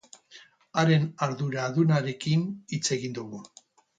Haren arduradunarekin hitz egin dugu.